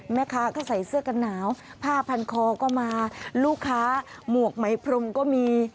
แม่ค้าก็ใส่เสื้อกันหนาวผ้าพันคอก็มาลูกค้าหมวกไหมพรมก็มี